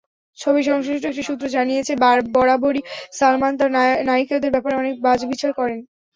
ছবি সংশ্লিষ্ট একটি সূত্র জানিয়েছে, বরাবরই সালমান তাঁর নায়িকাদের ব্যাপারে অনেক বাছবিচার করেন।